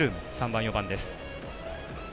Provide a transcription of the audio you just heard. ３番、４番です。